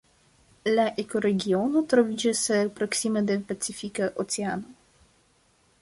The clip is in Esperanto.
La ekoregiono troviĝas proksime de Pacifika Oceano.